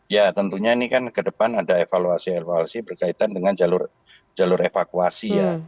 ya tentunya ini kan ke depan ada evaluasi evaluasi berkaitan dengan jalur evakuasi ya